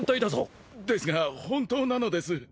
ですが本当なのです。